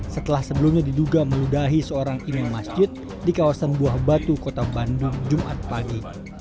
setelah sebelumnya diduga meludahi seorang imam masjid di kawasan buah batu kota bandung jumat pagi